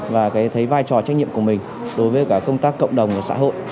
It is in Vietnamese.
và thấy vai trò trách nhiệm của mình đối với cả công tác cộng đồng và xã hội